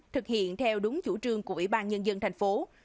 thực hiện theo đúng chủ trương của ủy ban nhân dân tp hcm